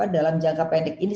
dalam jangka pendek ini